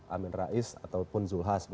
amin rais ataupun zulhas